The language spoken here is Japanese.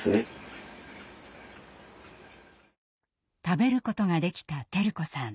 食べることができた輝子さん。